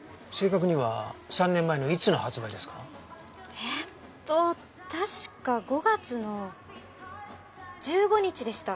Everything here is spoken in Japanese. えっと確か５月の１５日でした。